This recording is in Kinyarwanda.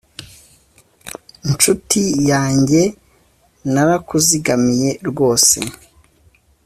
ncuti yanjye, narazikuzigamiye rwose